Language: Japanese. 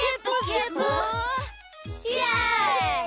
イエイ！